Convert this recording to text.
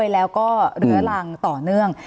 แล้วก็เรื้อรังต่อเนื่อง